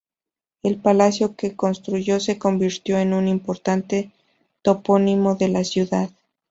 El palacio que construyo se convirtió en un importante topónimo de la ciudad.